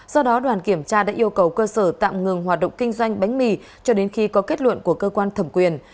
do đó đoàn kiểm tra đã yêu cầu cơ sở tạm ngừng hoạt động kinh doanh bánh mì cho đến khi có kết luận của cơ quan thẩm quyền